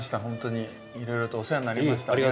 ほんとにいろいろとお世話になりました。